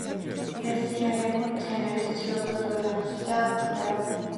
დაზიანებულ მცენარეს სცვივა ფოთოლი, ნაყოფი და ხმება.